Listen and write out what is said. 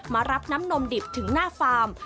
มารับน้ำนมดิบถึงหน้าฟาร์ม